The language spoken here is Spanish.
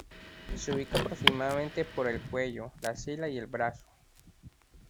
Se ubica aproximadamente por el cuello, la axila y el brazo.